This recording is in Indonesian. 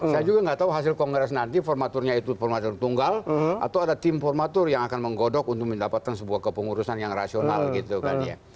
saya juga nggak tahu hasil kongres nanti formaturnya itu formatur tunggal atau ada tim formatur yang akan menggodok untuk mendapatkan sebuah kepengurusan yang rasional gitu kan ya